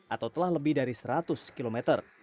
atau telah lebih dari seratus km